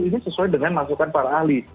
ini sesuai dengan masukan para ahli